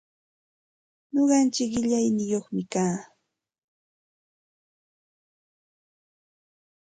Nuqaichik qillaniyuqmi kaa.